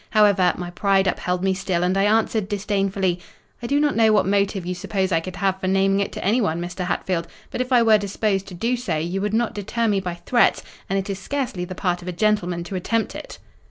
However, my pride upheld me still, and I answered disdainfully; 'I do not know what motive you suppose I could have for naming it to anyone, Mr. Hatfield; but if I were disposed to do so, you would not deter me by threats; and it is scarcely the part of a gentleman to attempt it.